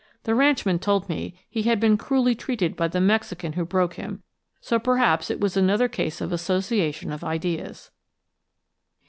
The ranchman told me he had been cruelly treated by the Mexican who broke him, so perhaps it was another case of association of ideas.